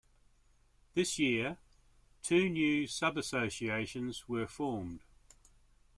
This year, two new subassociations were formed.